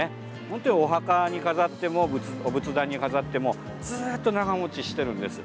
本当にお墓に飾ってもお仏壇に飾ってもずっと長もちしてるんです。